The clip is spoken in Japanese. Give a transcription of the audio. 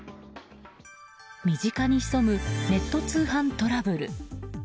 身近に潜むネット通販トラブル。